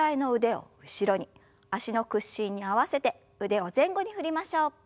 脚の屈伸に合わせて腕を前後に振りましょう。